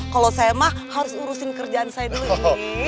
kalau saya mah harus urusin kerjaan saya dulu nih